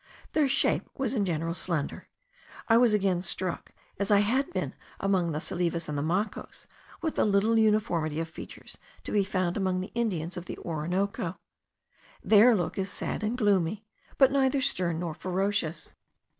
Their shape was in general slender. I was again struck, as I had been among the Salives and the Macos, with the little uniformity of features to be found among the Indians of the Orinoco. Their look is sad and gloomy; but neither stern nor ferocious.